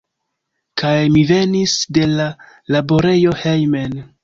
Kaj mi venis de la laborejo hejmen.